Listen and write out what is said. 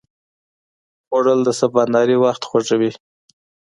خوړل د سباناري وخت خوږوي